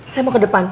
saya mau ke depan